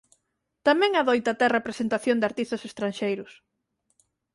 Tamén adoita ter representación de artistas estranxeiros.